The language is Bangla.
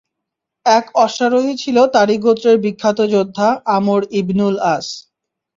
এক অশ্বারোহী ছিল তারই গোত্রের বিখ্যাত যোদ্ধা আমর ইবনুল আস।